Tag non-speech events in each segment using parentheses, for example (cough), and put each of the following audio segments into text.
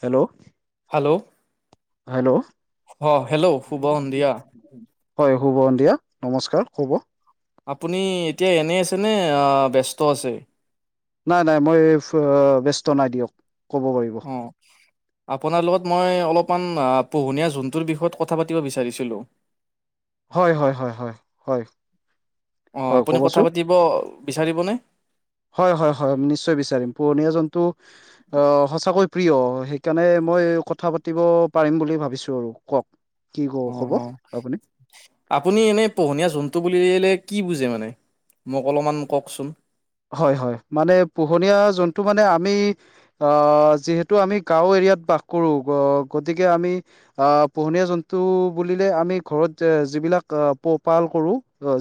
Hello hello hello অ hello শুভ সন্ধিয়া হয় শুভ সন্ধিয়া নমস্কাৰ শুভ আপুনি এতিয়া এনেই আছেনে আঁ ব্যস্ত আছে? নাই নাই মই এই ব্যস্ত নাই দিয়ক, কব পাৰিব। অঁ আপোনাৰ লগত মই অলপমান আঁ পোহনীয়া জন্তুৰ বিষয়ত কথা পাতিব বিচাৰিছিলোঁ। হয় হয় হয় হয় হয়। অঁ হয় আপুনি কথা ক'বচোন পাতিব বিচাৰিবনে? হয় হয় হয় নিশ্চয় বিচাৰিম। পোহণীয়া জন্তু অঁ সঁচাকৈ প্ৰিয় সেইকাৰণে মই কথা পাতিব পাৰিম বুলি ভাবিছো, কওক কি ক অ ক'ব অ আপুনি? আপুনি এনেই পোহনীয়া জন্তু বুলিলে কি বুজে মানে মোক অলপমান কওকচোন। হয় হয় মানে পোহনীয়া জন্তু মানে আমি অঁ যিহেতু আমি গাঁও এৰিয়াত বাস কৰো গতিকে আমি আহ পোহনীয়া জন্তু বুলিলে আমি ঘৰত যিবিলাক পোঁহপাল কৰো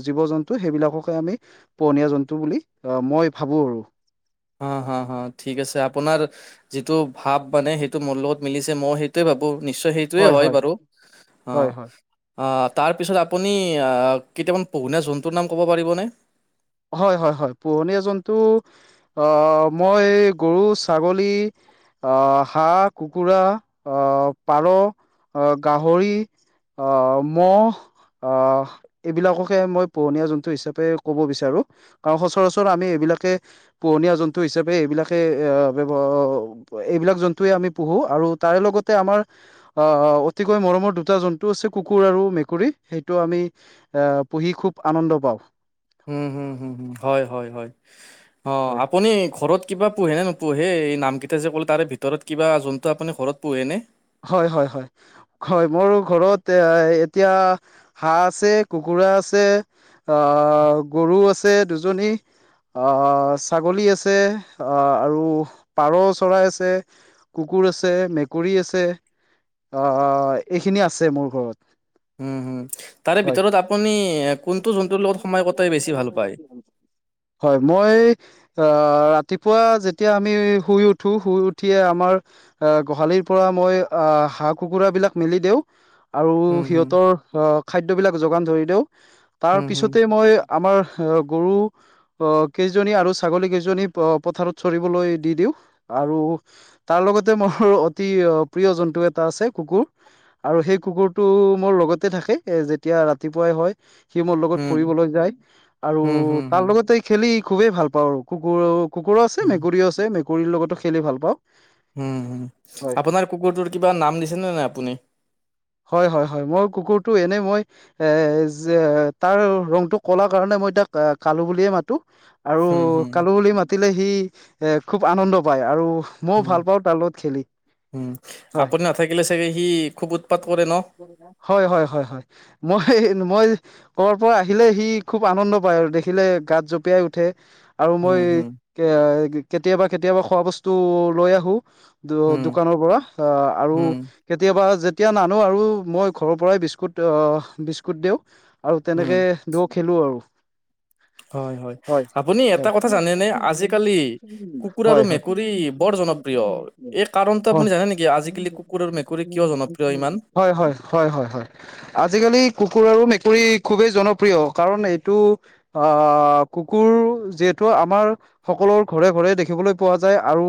জীৱ জন্তু সেইবিলাককে আমি, পোহনীয়া জন্তু বুলি ৱ মই ভাবোঁ আৰু। হঁ হঁ হঁ ঠিক আছে আপোনাৰ যিটো ভাৱ মানে সেইটো মোৰ লগত মিলিছে, মই সেইটোয়ে ভাবো নিশ্চয় সেই টোয়ে হয় বাৰু হয় অঁ। হয় অঁ তাৰপিছত আপুনি কেইটামান পোহনীয়া জন্তুৰ নাম ক'ব পাৰিব নে? হয় হয় হয় পোহনীয়া জন্তু মই এই গৰু, ছাগলী, আহ হাঁহ, কুকুৰা, আহ পাৰ, আহ গাহৰি। অঁ মহ এইবিলাককে মই পোহনীয়া জন্তু হিচাপে ক'ব বিচ চাৰো কাৰণ সচৰাচৰ আমি এইবিলাকে, পোহনীয়া জন্তু হিচাপে এইবিলাকে এঁয়া ব্যৱহাৰ, এইবিলাক জন্তুয়ে আমি পোঁহো আৰু তাৰে লগতে আমাৰ, আহ অতিকৈ মৰমৰ দুটা জন্তু আছে আমাৰ কুকুৰ আৰু মেকুৰী সেইটো আমি, আহ পুঁহি খুব আনন্দ পাওঁ। হুম হুম হুয় হয় হয় অঁ হয় আপুনি ঘৰত, কিবা পোঁহেনে নোপোঁহে এই নামকেইটা যে ক'ল তাৰে ভিতৰত কিবা জন্তু আপুনি ঘৰত পোঁহেনে? হয় হয় হয়। হয় মোৰ ঘৰত এয়া এতিয়া হাঁহ আছে কুকুৰা আছে। আহ গৰু আছে দুজনী। আঁহ ছাগলী আছে, আঁহ আৰু পাৰ চৰাই আছে। কুকুৰ আছে মেকুৰী আছে আঁহ এইখিনি আছে মোৰ ঘৰত। উম হুম, তাৰে ভিতৰত আপুনি কোনটো জন্তুৰ লগত সময় কটাই বেছি ভাল পায়? হয় হয় মই, অহ ৰাতিপুৱা যেতিয়া আমি শুই উঠো শুই উঠিয়ে আমাৰ এ গোহালিৰ পৰা মই আহ হাঁহ কুকুৰা বিলাক মেলি দিওঁ। আৰু উম, হুম, সিহঁতৰ আহাৰ খাদ্যবিলাক যোগান ধৰি দিওঁ। তাৰ হুম, হুম, পিছতে মই আমাৰ অহ গৰু, আহ কেইজনী আৰু ছাগলী কেইজনী অ পথাৰত চৰিবলৈ দি দিওঁ, আৰু তাৰ লগতে মোৰ অতি প্ৰিয় জন্তু এটা আছে কুকুৰ। আৰু সেই কুকুৰটো মোৰ লগতে থাকে এ যেতিয়া ৰাতিপুৱাই হয়। সি মোৰ লগত হুম, ফুৰিবলৈ যায় আৰু হুম, হুম, হুম, তাৰ লগতে খেলি খুবেই ভাল পাওঁ, কুকুৰ কুকুৰো আছে হুম, মেকুৰী আছে মেকুৰীৰ লগতো খেলি ভাল পাওঁ। উম হুম, হয় আপোনাৰ কুকুৰটোৰ কিবা নাম দিছেনে নাই আপুনি? হয় হয় হয়, মই কুকুৰটো এনেই মই এ যে তাৰ ৰংটো কলা কাৰণে মই তাক কালো বুলিয়ে মাতো। আৰু হুম, হুম, কালু বুলি মাতিলে সি এ খুব আনন্দ পায় আৰু, মইও উম ভাল পাওঁ তাৰ লগত খেলি উম, হয় আপুনি নাথাকিলে চাগে সি খুব উৎপাত কৰে ন? হয় হয় হয় হয়, মই মই কৰ'বাৰ পৰা আহিলে সি খুব আনন্দ পায় আৰু দেখিলে গাত জপিয়াই উঠে। আৰু হুম, মই হুম, এ কেতিয়াবা কেতিয়াবা খোৱা বস্তু লৈ আহো। দো হুম, দোকানৰ পৰা অ আৰু হুম, কেতিয়াবা যেতিয়া নানো আৰু মই ঘৰৰ পৰাই বিস্কুট অ বিস্কুট দিওঁ। আৰু হুম। তেনেকে দু খেলো আৰু। হয় হয়, আপুনি এটা হয় কথা জানেনে আজিকালি কুকুৰ আৰু হয় হয় মেকুৰী বৰ জনপ্ৰিয়। এই কাৰণতটো হয় আপুনি জানে নেকি, আজিকালি কুকুৰ আৰু মেকুৰী কিয় জনপ্ৰিয় ইমান? হয় হয় হয় হয় হয়, আজিকালি কুকুৰ আৰু মেকুৰী খুবেই জনপ্ৰিয়, কাৰণ এইটো অহ, কুকুৰ যিহেতু আমাৰ সকলোৰ ঘৰে ঘৰে দেখিবলৈ পোৱা যায়, আৰু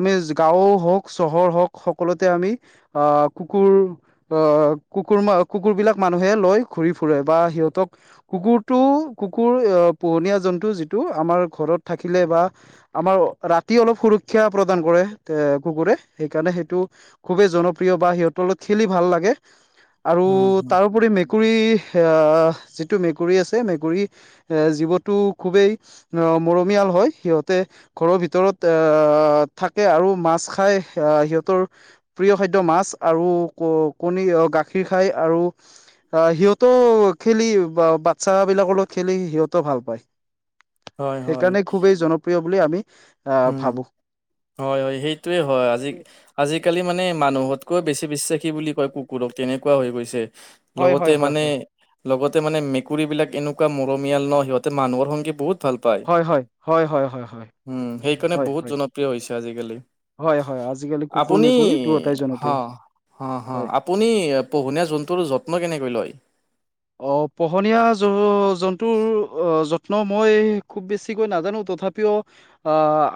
আমি গাওঁ হওঁক, চহৰ হওঁক সকলোতে আমি আহ কুকুৰ, আহ কুকুৰবোৰক লৈ মানুহ বিলাকে ঘূৰি ফুৰে বা সিহঁতক কুকুৰটো কুকুৰ অ পোহনীয়া জন্তু যিটো আমাৰ ঘৰত থাকিলে বা আমাৰ ৰাতি অলপ সুৰক্ষা প্ৰদান কৰে, এ কুকুৰে সেইকাৰণে সেইটো খুবেই জনপ্ৰিয় বা সিহঁতৰ লগত খেলি ভাল লাগে, আৰু উম হুম কুৰি মেকুৰী অ যিটো মেকুৰী আছে মেকুৰী এ জীৱটো খুবেই অহ মৰমীয়াল হয়, সিহঁতে ঘৰৰ ভিতৰত আহ থাকে আৰু মাছ খাই, আহ সিহঁতৰ প্ৰিয় খাদ্য মাছ আৰু কণী গাখীৰ খাই, আৰু অ সিহঁতেও খেলি বা বাচ্ছা বিলাকৰ লগত খেলি সিহঁতেও ভাল পায়। হয় হয় সেইকাৰণে খুবেই জনপ্ৰিয় বুলি আমি আহ উম ভাবো। হয়, সেইটোৱে হয় আজি আজিকালি মানে মানুহতকৈ বেছি বিশ্বাসী বুলি কয় কুকুৰক তেনেকুৱা হৈ গৈছে। হয় লগতে হয় হয় মানে, হয় লগতে মানে মেকুৰীবিলাক এনেকুৱা মৰমীয়াল ন সিহঁতে মানুহৰ সঙ্গে বহুত- ভাল পায় হয়, হয়। হয়, হয়, হয়, হয়। উম সেইকাৰণে হয় বহুত হয় জনপ্ৰিয় হৈছে আজিকালি। হয় হয় আজিকালি কুকুৰ আপুনি মেকুৰী দুয়োটাই হ জনপ্ৰিয় অ', অ', হয় আপুনি পোহনীয়া জন্তুৰ যত্ন কেনেকৈ লয়? অ', পোহনীয়া জ-জন্তুৰ অ', যত্ ত্ন মই খুব বেছিকৈ নাজানোঁ, তথাপিও আ,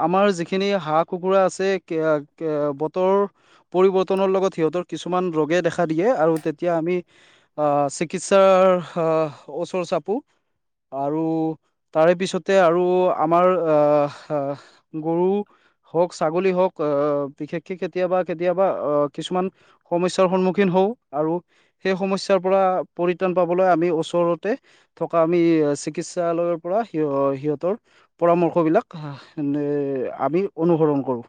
আমাৰ যিখিনি হাঁহ কুকুৰা আছে (unintelligible) বতৰ পৰিৱৰ্তনৰ লগত সিহঁতৰ কিছুমান ৰোগে দেখা দিয়ে, আৰু তেতিয়া আমি আ, চিকি চিকিৎসাৰ আ, ওচৰ চাপো। আৰু তাৰে পিছতে আৰু আমাৰ আ-আহ গৰু হওঁক ছাগলী হওঁক আ, বিশেষকে কেতিয়াবা, কেতিয়াবা আ, কিছুমান সমস্যাৰ সন্মুখীন হওঁ, আৰু সেই সমস্যাৰ পৰা পৰিত্ৰাণ পাবলৈ আমি ওচৰতে থকা আমি চিকিৎসালয়ৰ পৰা সিয়-সিহঁতৰ পৰামৰ্শবিলাক (unintelligible) আমি অনুসৰণ কৰোঁ।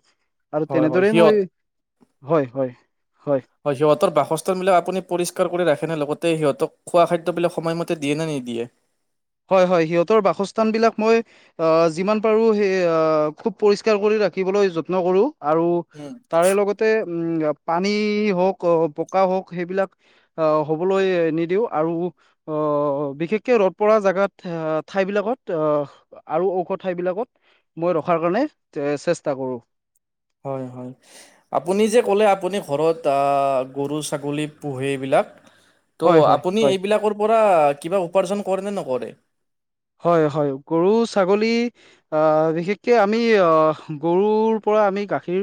আৰু হয় হয় তেনেদৰেই সিহঁত মই, হয়, হয়, হয়। হয়, সিহঁতৰ বাসস্থানবিলাক আপুনি পৰিষ্কাৰ কৰি ৰাখেনে? লগতে সিহঁতক খোৱা খাদ্যবিলাক সময়মতে দিয়ে নে নিদিয়ে? হয়, হয়। সিহঁতৰ বাসস্থান বিলাক মই আ, যিমান পাৰোঁ সেই আ, খুব পৰিষ্কাৰ কৰি ৰাখিবলৈ যত্ন কৰোঁ। আৰু উম। তাৰে লগতে উম, পানী হওঁক, বোকা হওঁক সেইবিলাক আ, হ'বলৈ নিদিওঁ। আৰু অ', বিশেষকে ৰদ পৰা জেগাত ঠে-ঠাইবিলাকত আ, আৰু ওখ ঠাইবিলাকত মই ৰখাৰ কাৰণে এ, চেষ্টা কৰোঁ। হয়, হয়। আপুনি যে ক'লে আপুনি ঘৰত আ, গৰু ছাগলী পোহে এইবিলাক। ত' হয় হয় আপুনি হয় এইবিলাকৰ পৰা কিবা উপাৰ্জন কৰে নে নকৰে? হয়, হয়। গৰু ছাগলী আ, বিশেষকে আমি আ, গৰুৰ পৰা আমি গাখীৰ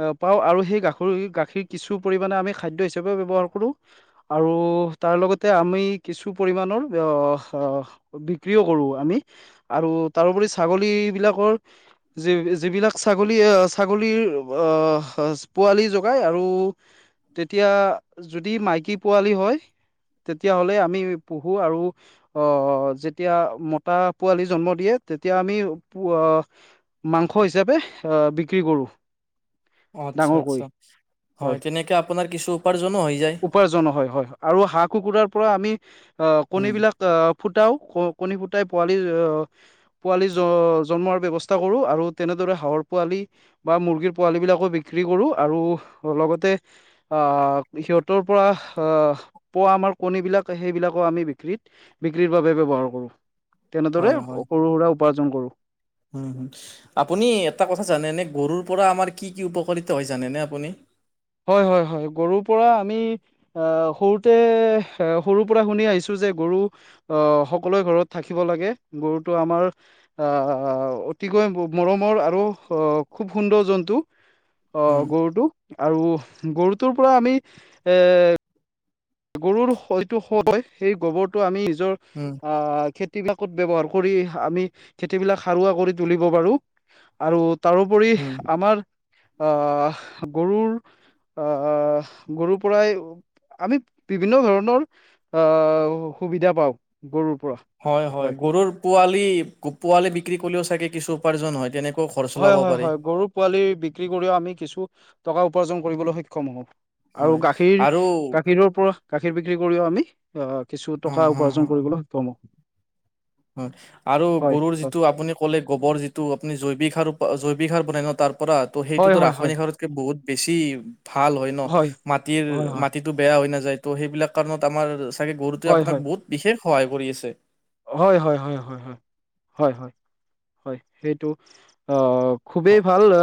আ, পাওঁ আৰু সেই গাখৰি গাখীৰ কিছু পৰিমাণে আমি খাদ্য হিচাপে ব্যৱহাৰ কৰোঁ। আৰু তাৰ লগতে আমি কিছু পৰিমাণৰ অ-অহ বি বিক্ৰীয়ো কৰোঁ আমি, আৰু তাৰোপৰি ছাগলী বিলাকৰ যি যিবিলাক ছাগলী আ, ছাগলীৰ আহ, পোৱালি জগাই আৰু তেতিয়া, যদি মাইকী পোৱালি হয়। তেতিয়াহ'লে আমি পঢ়ো, আৰু অ', যেত যেতিয়া মতা পোৱালি জন্ম দিয়ে, তেতিয়া আমি পো আ মাংস হিচাপে আ, বিক্ৰী কৰোঁ। আচ্ছা, ডাঙৰ কৰি আচ্ছা। হয়, তেনেকে আপোনাৰ কিছু উপাৰ্জনো হৈ যায়। উপাৰ্জন হয়, হয়। আৰু হাঁহ কুকুৰাৰ পৰা আমি অ', উম, কণীবিলাক অ', ফুটাও ক কণী ফুটাই পোৱালি অ পোৱালি জ-জন্মো হোৱাৰ ব্যৱস্থা কৰোঁ, আৰু তেনেদৰে হাঁহৰ পোৱালি বা মুৰ্গীৰ পোৱালী বিলাকো বিক্ৰী কৰোঁ আৰু লগতে আ, সিহঁতৰ পৰা আ, পোৱা আমাৰ কণীবিলাক সেইবিলাকো আমি বিক্ৰীত বিক্ৰীৰ বাবে ব্যৱহাৰ কৰোঁ, তেনেদৰে হয় হয় সৰু সুৰা উপাৰ্জন কৰোঁ। উম, উম। আপুনি এটা কথা জানেনে, গৰুৰ পৰা আমাৰ কি কি উপকাৰিতা হয় জানেনে আপুনি? হয়, হয়, হয়, গৰুৰ পৰা আমি আহ, সৰুতে এ সৰুৰ পৰা শুনি আহিছো যে গৰু আহ, সকলোৱে ঘৰত থাকিব লাগে। গৰুটো আমাৰ আহ, অতিকৈ মৰমৰ আৰু আ, খুব সুন্দৰ জন্তু। অ', উম, গৰুটো আৰু গৰুটোৰ পৰা আমি এ গৰুৰ সয়টো সয়, সেই গোবৰটো আমি নিজৰ উম। আহ, খেতিবিলাকত ব্যৱহাৰ কৰি আমি, খেতিবিলাক সাৰুৱা কৰি তুলিব পাৰো। আৰু তাৰোপৰি উম। আমাৰ আহ, গৰুৰ আহ, গৰু পৰাই আমি বিভিন্ন ধৰণৰ আহ, সুবিধা পাওঁ গৰুৰ পৰা। হয়, হয় গৰুৰ পোৱালি, পোৱালি বিক্ৰী কৰিলেও চাগে কিছু উপাৰ্জন হয়, তেনেকুৱা। হয়, হয়, হয় গৰুৰ পোৱালি বিক্ৰী কৰিও আমি কিছু টকা উপাৰ্জন কৰিবলৈ সক্ষম হওঁ। আৰু হয় গাখীৰ, আৰু গাখীৰৰ পৰা গাখীৰ বিক্ৰী কৰিও আমি আহ, কিছু অ', টকা হ, উপাৰ্জন হ, কৰিবলৈ সক্ষম হওঁ। হয়। আৰু হয় গৰুৰ যিটো আপুনি ক'লে গোবৰ যিটো আপুনি জৈৱিক সাৰ, জৈৱিক সাৰ বনাই ন, তাৰ পৰা। ত' হয় সেইটোতো হয় হয় ৰাসায়নিক সাৰত বহুত বেছি ভাল হয় ন, মাটিৰ হয় মাটিত সেইটো বেয়া হৈ নাযায়, ত' সেইবিলাক কাৰণত আমাৰ চাগে গৰুটোৱে হয় হয় আপোনাক বহুত বিশেষ সহায় কৰি আছে। হয়, হয়, হয়, হয়, হয়। হয়, হয়, হয় সেইটো অ' খুবেই ভাল আ,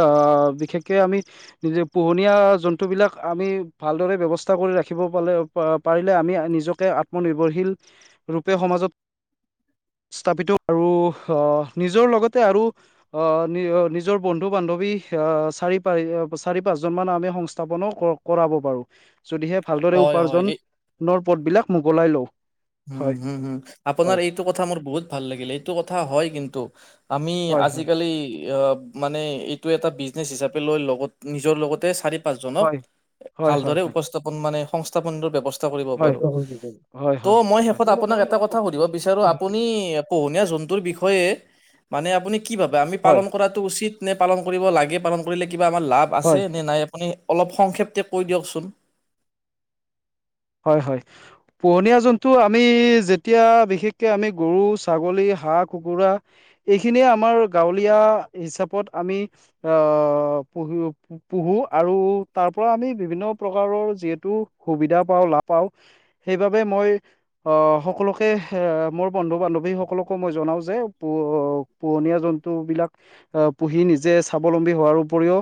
বিশেষকে আমি নিজে পোহনীয়া জন্তুবিলাক আমি ভালদৰে ব্যৱস্থা কৰি ৰাখিব পালে আ, পাৰিলে আমি-মি নিজকে আত্মনিৰ্ভৰশীল ৰূপে সমাজত স্থাপিত আৰু আহ, নিজৰ লগতে আৰু আহ, নিজ-নিজৰ বন্ধু-বান্ধৱী আহ চাৰি পাই, আ চাৰি পাঁচজনমান আমি সংস্থাপনো কৰ কৰাব পাৰো, যদিহে ভালদৰে হয়, হয়। উপাৰ্জন এই ৰ পথবিলাক মোকলাই লওঁ। উম, হয় হো, হো আপোনাৰ হয় এইটো কথা মোৰ বহুত ভাল লাগিল, এইটো কথা হয় কিন্তু। আমি হয় হয় আজিকালি আহ মানে এইটো এটা বিজনেছ হিচাপে লৈ লগত, নিজৰ লগতে চাৰি পাঁচজনক হয় হয় হয় ভালদৰে উপস্থাপন মানে, সংস্থাপনটোৰ ব্যৱস্থা কৰিব পাৰো। উম, হয়। ত' মই হয় শেষত আপোনাক এটা কথা সুধিব বিচাৰো, আপুনি পোহনীয়া জন্তুৰ বিষয়ে মানে আপুনি কি ভাবে, আমি পালন কৰাটো উচিত নে পালন কৰিব লাগে, পালন কৰিলে কিবা আমাৰ লাভ হয় আছে নে নাই, আপুনি অলপ সংক্ষেপ্তে কৈ দিয়কচোন। হয়, হয়। পোহনীয়া জন্তু আমি যেতিয়া বিশেষকে আমি গৰু, ছাগলী, হাঁহ, কুকুৰা এইখিনিয়ে আমাৰ গাঁৱলীয়া হিচাপত আমি আহ, পুহিব পোহো আৰু তাৰ পৰা আমি বিভিন্ন প্ৰকাৰৰ যিহেতু সুবিধা পাওঁ, লাভ পাওঁ সেইবাবে মই আহ, সকলোকে এ মোৰ বন্ধু-বান্ধৱীসকলকো মই জনাওঁ যে পো পোহনীয়া জন্তু বিলাক আহ, পুহি নিজে স্বাৱলম্বী হোৱাৰ উপৰিও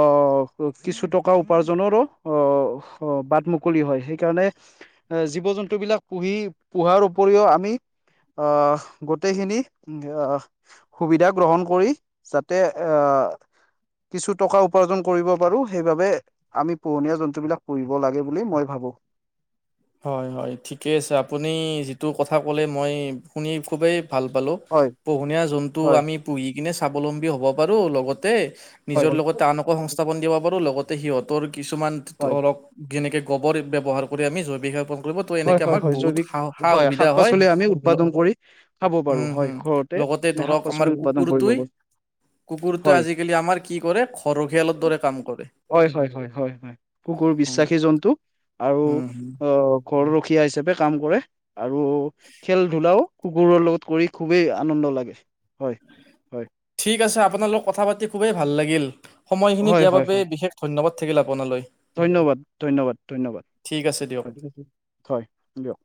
অ' কি-কিছু টকা উপাৰ্জনৰো অ', অ', বাট মুকলি হয়। সেইকাৰণে এ জীৱ-জন্তুবিলাক পুহি, পোহাৰ উপৰিও আমি অঁহ গোটেইখিনি আহ সুবিধা গ্ৰহণ কৰি যাতে আহ কিছু টকা উপাৰ্জন কৰিব পাৰো সেইবাবে আমি পোহনীয়া জন্তু বিলাক পুহিব লাগে বুলি মই ভাবো। হয় হয় ঠিকে আছে, আপুনি যিটো কথা ক'লে মই শুনি খুবেই ভাল পালোঁ। হয় পোহনীয়া জন্তু হয় আমি পুহি কিনে স্বাৱলম্বী হ'ব পাৰো, লগতে হয় নিজৰ লগতে আনকো সংস্থাপন দিব পাৰোঁ, লগতে সিহঁতৰ কিছুমান হয় ধৰক যেনেকে গোবৰ ব্যৱহাৰ কৰি আমি জৈৱিক সাৰ উ কৰিব ত হয় এনেকে হয় আমাক হয় বহুত জৈৱিক সা সা শাক সুবিধা হয়, পাচলি আমি উৎপাদন কৰি খাব পাৰো উম হয় হম। ঘৰতে লগতে আমি শাক ধৰক পাচলি আমাৰ উৎপাদন কৰিব কুকুৰটোৱে পাৰো কুকুৰটোৱে হয় আজিকালি আমাৰ কি কৰে? ঘৰ ৰখীয়ালৰ দৰে কাম কৰে। হয় হয় হয় হয় হয় কুকুৰ উম বিশ্বাসী জন্তু আৰু হম হম অ ঘৰ ৰখীয়া হিচাপে কাম কৰে, আৰু খেল ধূলাও কুকুৰৰ লগত কৰি খুবেই আনন্দ লাগে। হয় হয় ঠিক আছে আপোনাৰ লগত কথা পাতি খুবেই ভাল লাগিল। সময়খিনি হয় দিয়াৰ হয় বাবে হয় বিশেষ ধন্যবাদ থাকিল আপোনালৈ। ধন্যবাদ ধন্যবাদ ধন্যবাদ ঠিক আছে দিয়ক হয় দিয়ক।